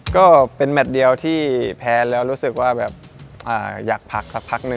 ก็เป็นแมทเดียวที่แพ้แล้วรู้สึกว่าแบบอยากพักสักพักหนึ่ง